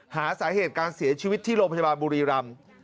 หาสาเหตุการเสียชีวิตที่โรงพยาบาลบุรีรำ